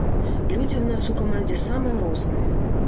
Людзі ў нас у камандзе самыя розныя.